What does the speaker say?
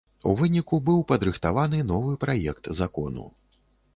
У выніку быў падрыхтаваны новы праект закону.